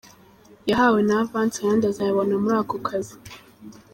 Yahawe na avance ayandi azayabona muri ako kazi.